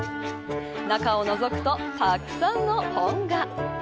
中をのぞくと、たくさんの本が。